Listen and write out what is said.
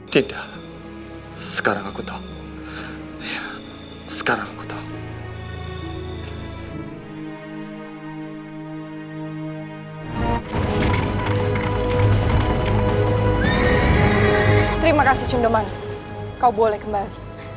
terima kasih cundoman kau boleh kembali